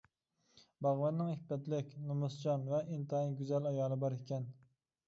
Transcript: باغۋەننىڭ ئىپپەتلىك، نومۇسچان ۋە ئىنتايىن گۈزەل ئايالى بار ئىكەن.